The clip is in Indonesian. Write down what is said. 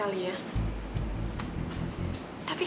pas udah dah dekat